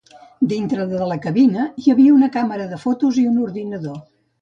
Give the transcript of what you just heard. Dintre de la cabina hi havia una càmera de fotos i un ordinador.